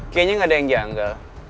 kayaknya gak ada yang dianggal